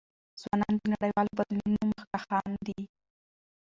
ځوانان د نړیوالو بدلونونو مخکښان دي.